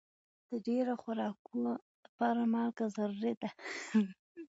د ډېرو خوراکونو لپاره مالګه ضروري ده.